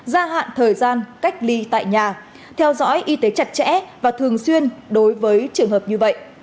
gia hạn thời gian cách ly tại nhà theo dõi y tế chặt chẽ và thường xuyên đối với trường hợp như vậy